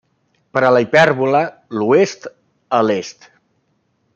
Per a la hipèrbola, l'oest a l'est.